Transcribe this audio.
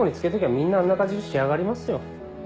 みんなあんな感じに仕上がりますよ